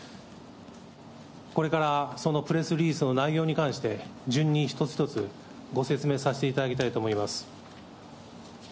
これからそのプレスリリースの内容に関して、順に一つ一つ、ご説明させていただきたいと思います。